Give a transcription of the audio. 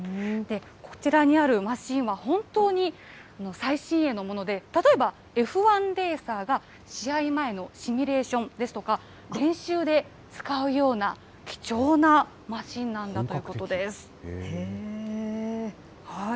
こちらにあるマシンは本当に最新鋭のもので、例えばＦ１レーサーが試合前のシミュレーションですとか、練習で使うような貴重なマシンなんだということです。